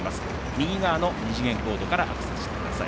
右側の二次元コードからアクセスしてください。